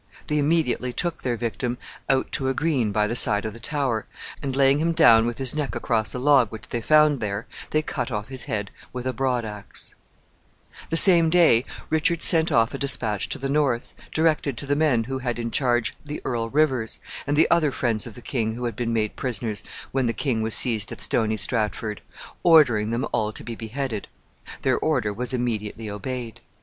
They immediately took their victim out to a green by the side of the Tower, and, laying him down with his neck across a log which they found there, they cut off his head with a broad axe. [Illustration: POMFRET CASTLE.] The same day Richard sent off a dispatch to the north, directed to the men who had in charge the Earl Rivers, and the other friends of the king who had been made prisoners when the king was seized at Stony Stratford, ordering them all to be beheaded. The order was immediately obeyed.